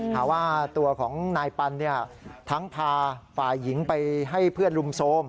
หาว่าตัวของนายปันทั้งพาฝ่ายหญิงไปให้เพื่อนรุมโทรม